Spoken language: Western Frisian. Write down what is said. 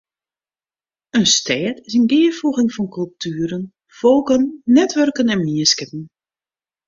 In stêd is in gearfoeging fan kultueren, folken, netwurken en mienskippen.